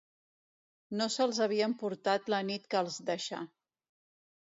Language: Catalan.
No se’ls havia emportat la nit que els deixà.